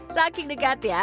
saking dekat ya